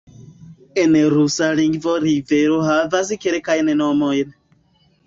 En rusa lingvo rivero havas kelkajn nomojn.